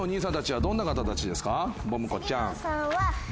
ボム子ちゃん。